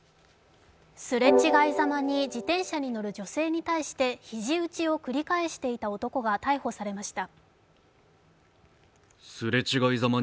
すれ違いざまに自転車に乗る女性に対してひじ打ちを繰り返していた男が逮捕されました。